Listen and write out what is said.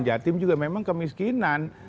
jatim juga memang kemiskinan